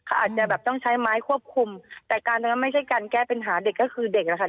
เขาอาจจะแบบต้องใช้ไม้ควบคุมแต่การนั้นไม่ใช่การแก้ปัญหาเด็กก็คือเด็กอะค่ะ